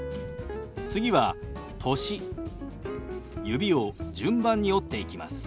指を順番に折っていきます。